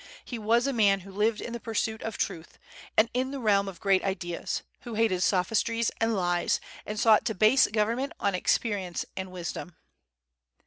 He was a man who lived in the pursuit of truth, and in the realm of great ideas; who hated sophistries and lies, and sought to base government on experience and wisdom.